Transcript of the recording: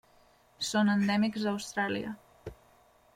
Són endèmics d'Austràlia.